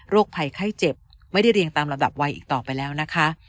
ภัยไข้เจ็บไม่ได้เรียงตามระดับวัยอีกต่อไปแล้วนะคะ